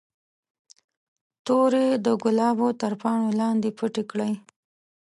تورې د ګلابو تر پاڼو لاندې پټې کړئ.